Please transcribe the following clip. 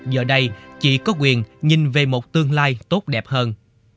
giờ đây chị có quyền nhìn về một tương lai tốt đẹp hơn